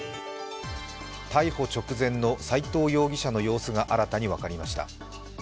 逮捕直前の斉藤容疑者の様子が新たに分かりました。